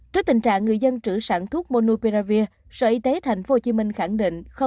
trước tình trạng người dân trữ sản thuốc monouperavir sở y tế tp hcm khẳng định